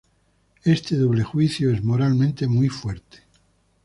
Este doble juicio es moralmente muy fuerte.